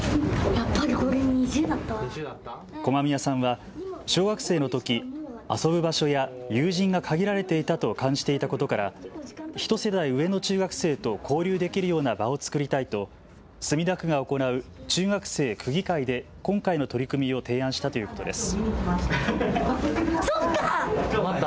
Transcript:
駒宮さんは小学生のとき遊ぶ場所や友人が限られていたと感じていたことからひと世代上の中学生と交流できるような場を作りたいと墨田区が行う中学生区議会で今回の取り組みを提案したということです。